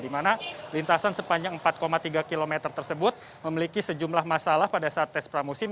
di mana lintasan sepanjang empat tiga km tersebut memiliki sejumlah masalah pada saat tes pramusim